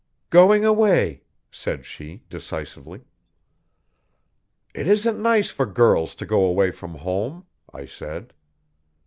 'Going away,' said she decisively. 'It isn't nice for girls to go away from home,' I said.